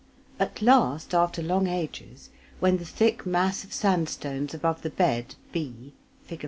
At last, after long ages, when the thick mass of sandstones above the bed b (Fig.